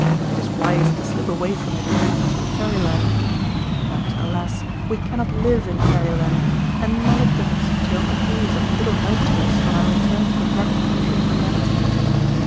It is wise to slip away from it at times to fairyland. But, alas, we cannot live in fairyland, and knowledge of its geography is of little help to us on our return to the rugged country of reality.